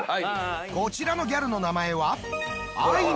こちらのギャルの名前は。